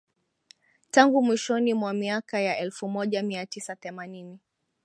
Tangu mwishoni mwa miaka ya elfumoja miatisa themanini